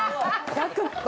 １００％。